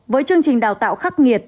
với chương trình đào tạo khắc nghiệt